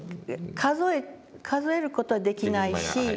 数える事はできないし。